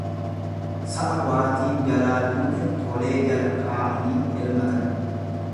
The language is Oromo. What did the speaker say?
sa'a waatiin jalaa duutee tolee jala kaa'anii elmatan.